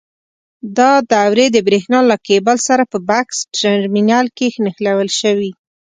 دا دورې د برېښنا له کېبل سره په بکس ټرمینل کې نښلول شوي.